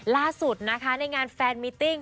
ล่าสุดในงานแฟนมิตติ้ง